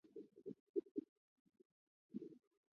这些属性都是在一个易于使用的编程接口下提供的。